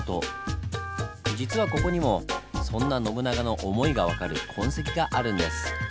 実はここにもそんな信長の思いが分かる痕跡があるんです。